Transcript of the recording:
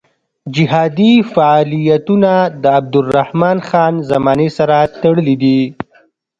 جهادي فعالیتونه د عبدالرحمن خان زمانې سره تړلي دي.